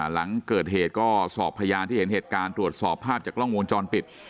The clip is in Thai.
หลังเกิดเหตุก็สอบพยานที่เห็นเหตุการณ์ตรวจสอบภาพจากกล้องวงจรปิด